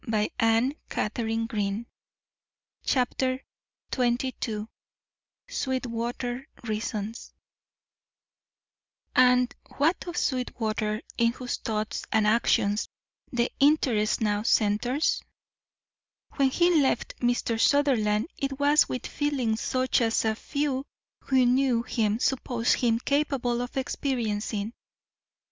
BOOK II THE MAN OF NO REPUTATION XXI SWEETWATER REASONS And what of Sweetwater, in whose thoughts and actions the interest now centres? When he left Mr. Sutherland it was with feelings such as few who knew him supposed him capable of experiencing.